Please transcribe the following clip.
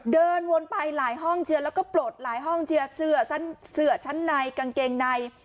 เดินวนไปหลายห้องเจือแล้วก็ปลดหลายห้องเจือเสื้อชั้นในกางเกงใน